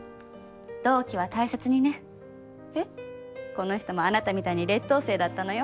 この人もあなたみたいに劣等生だったのよ。